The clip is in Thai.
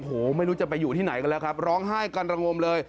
โอ้โหไม่รู้จะไปอยู่ที่ไหนกันแล้วครับร้องไห้กันระงมเลย